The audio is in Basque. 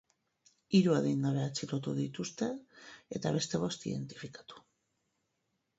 Hiru adingabe atxilotu dituzte eta beste bost identifikatu.